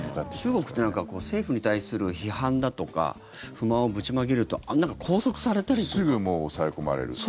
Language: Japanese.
中国って政府に対する批判だとか不満をぶちまけるとすぐ抑え込まれる。